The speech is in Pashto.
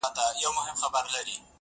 o كه څه هم تور پاته سم سپين نه سمه.